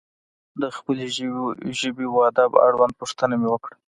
د خپلې ژبې و ادب اړوند پوښتنه مې وکړه.